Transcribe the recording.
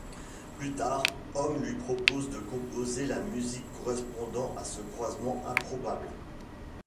Plus tard, Homme lui propose de composer la musique correspondant à ce croisement improbable.